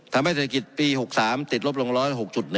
ทำให้เศรษฐกิจปี๖๓ติดลบลง๑๐๖๑